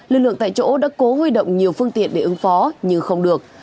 lực lượng tại chỗ đã cố huy động nhiều phương tiện để ứng phó nhưng không được